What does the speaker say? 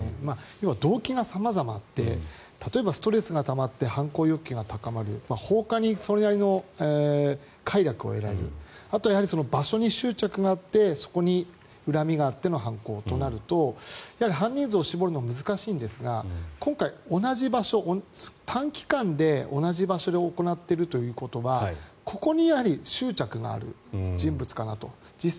要は動機が様々で例えばストレスがたまって犯行欲求が高まる放火にそれなりの快楽を得られるあと、場所に執着があってそこに恨みがあっての犯行となると犯人像を絞るのは難しいんですが今回、同じ場所短期間で同じ場所で行っているということでここに執着がある人物かなと。